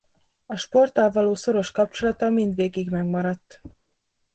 A sporttal való szoros kapcsolata mindvégig megmaradt.